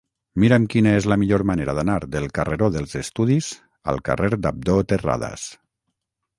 Mira'm quina és la millor manera d'anar del carreró dels Estudis al carrer d'Abdó Terradas.